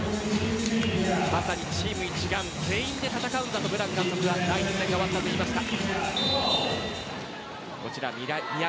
まさにチーム一丸全員で戦うんだとブラン監督が第２戦が終わったあとに言いました。